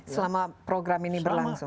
selama program ini berlangsung